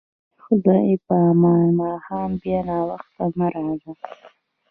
خدای په امان، ماښام بیا ناوخته مه راځه.